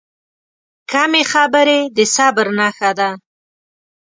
کمې خبرې، د صبر نښه ده.